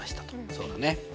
そうだね。